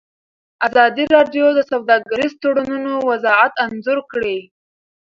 ازادي راډیو د سوداګریز تړونونه وضعیت انځور کړی.